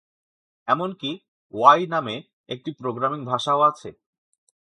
এমনকি 'ওআই' নামে একটি প্রোগ্রামিং ভাষাও আছে।